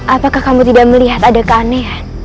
apakah kamu tidak melihat ada keanehan